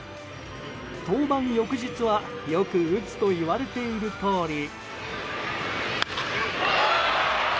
登板翌日はよく打つといわれているとおり。